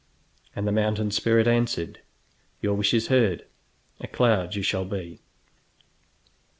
And the mountain spirit answered: "Your wish is heard; a cloud you shall be!"